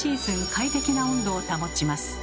快適な温度を保ちます。